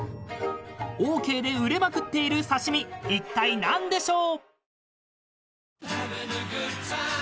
［オーケーで売れまくっている刺し身いったい何でしょう？］